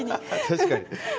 確かに。